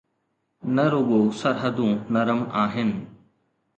نه رڳو سرحدون نرم آهن.